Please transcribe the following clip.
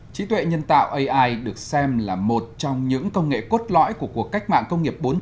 trí tuệ nhân tạo ai được xem là một trong những công nghệ cốt lõi của cuộc cách mạng công nghiệp bốn